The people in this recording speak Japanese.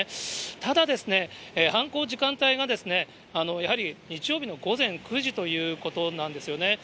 ただ、犯行時間帯が、やはり日曜日の午前９時ということなんですよね。